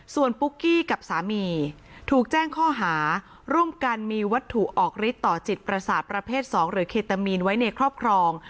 ส่วนปุ๊กกี้กับสามีถูกแจ้งข้อหาร่วมกันมีวัตถุออกฤทธิต่อจิตประสาทประเภท๒หรือเคตามีนไว้ในครอบครอง